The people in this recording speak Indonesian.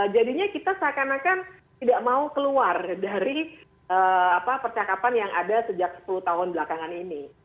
jadinya kita seakan akan tidak mau keluar dari percakapan yang ada sejak sepuluh tahun belakangan ini